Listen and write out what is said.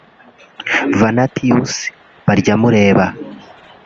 Vanatius Baryamureeba